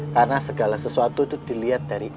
karena segala sesuatu itu dilihat dari